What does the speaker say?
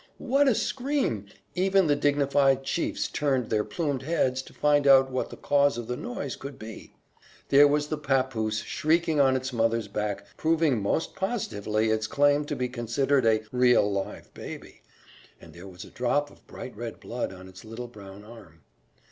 What a scream! Even the dignified chiefs turned their plumed heads to find out what the cause of the noise could be. There was the papoose shrieking on its mother's back, proving most positively its claim to be considered a "real, live baby," and there was a drop of bright red blood on its little brown arm.